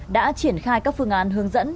đã triển khai các phương án hướng dẫn